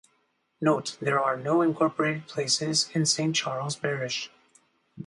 Note: There are no incorporated places in Saint Charles Parish.